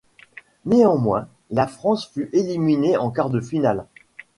Néanmoins, la France fut éliminée en quart-de-finale.